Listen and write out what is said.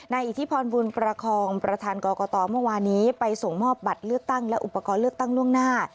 อิทธิพรบุญประคองประธานกรกตเมื่อวานี้ไปส่งมอบบัตรเลือกตั้งและอุปกรณ์เลือกตั้งล่วงหน้า